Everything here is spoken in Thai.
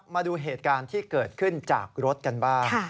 มาดูเหตุการณ์ที่เกิดขึ้นจากรถกันบ้าง